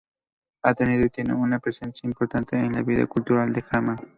Ha tenido y tiene una presencia importante en la vida cultural de Hamm.